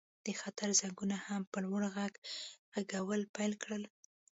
د خطر زنګونو هم په لوړ غږ غږول پیل کړل